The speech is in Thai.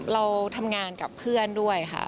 เราทำงานกับเพื่อนด้วยค่ะ